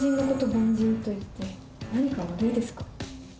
凡人と言って何か悪いですか？